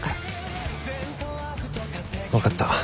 分かった。